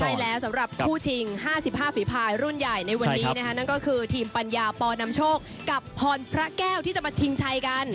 ใช่แล้วสำหรับคู่ชิง๕๕ฝีภายรุ่นใหญ่ในวันนี้นะคะนั่นก็คือทีมปัญญาปอนำโชคกับพรพระแก้วที่จะมาชิงชัยกัน